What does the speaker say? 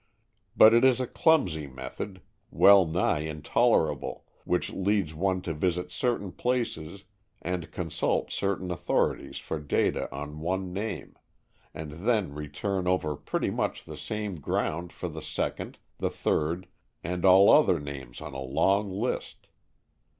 But it is a clumsy method, well nigh intolerable, which leads one to visit certain places and consult certain authorities for data on one name, and then return over pretty much the same ground for the second, the third, and all other names on a long list.